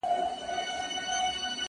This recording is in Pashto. کوټي ته درځمه گراني،